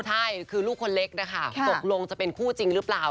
ใช่คือลูกคนเล็กนะคะตกลงจะเป็นคู่จริงหรือเปล่า